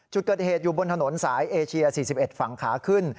จุดเกิดเหตุอยู่บนถนนสายเอเชีย๔๑ฝั่งขาขึ้น